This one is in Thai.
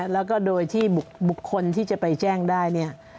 แล้วก็โดยที่บุคคลที่จะไปแจ้งได้เนี่ย